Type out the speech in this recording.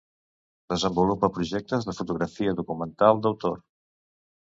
Desenvolupa projectes de fotografia documental d'autor.